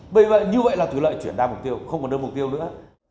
vậy như vậy là thủy lợi chuyển đa mục tiêu không còn đưa mục tiêu nữa